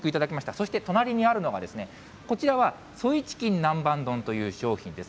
そして隣にあるのがですね、こちらはソイチキン南蛮丼という商品です。